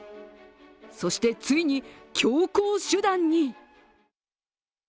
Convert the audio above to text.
そしてついに、強硬手段に。